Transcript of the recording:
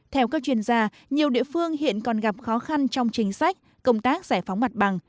theo các chuyên gia nhiều địa phương hiện còn gặp khó khăn trong chính sách công tác giải phóng mặt bằng